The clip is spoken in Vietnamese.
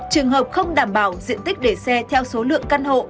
trường hợp không đảm bảo diện tích để xe theo số lượng căn hộ